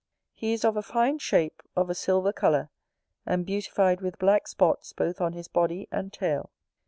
He is of a fine shape, of a silver colour, and beautified with black spots both on his body and tail.